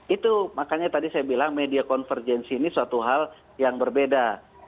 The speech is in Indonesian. itu makanya tadi saya bilang media konvergensi ini suatu hal yang berbeda